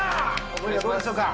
思いはどうでしょうか？